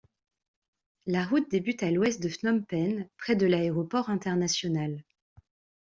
La route débute à l'ouest de Phnom Penh, près de l'aéroport international.